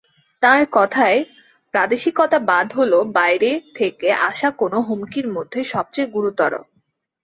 তাঁর কথায়, প্রাদেশিকতাবাদ হলো বাইরে থেকে আসা যেকোনো হুমকির মধ্যে সবচেয়ে গুরুতর।